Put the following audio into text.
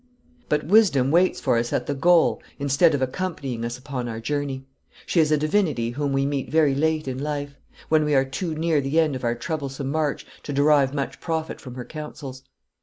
But Wisdom waits for us at the goal instead of accompanying us upon our journey. She is a divinity whom we meet very late in life; when we are too near the end of our troublesome march to derive much profit from her counsels.